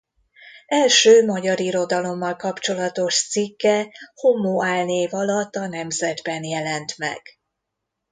Első magyar irodalommal kapcsolatos cikke Homo álnév alatt a Nemzetben jelent meg.